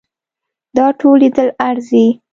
دا ټول لیدل ارزي.